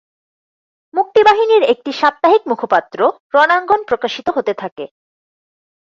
মুক্তিবাহিনীর একটি সাপ্তাহিক মুখপাত্র রণাঙ্গন প্রকাশিত হতে থাকে।